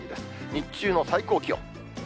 日中の最高気温。